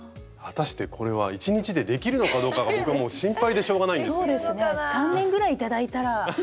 果たしてこれは１日でできるのかどうかが僕はもう心配でしょうがないんですけども。３年ですか？